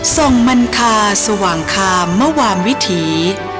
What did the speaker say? ส่งมันคาสว่างคามมวามวิถี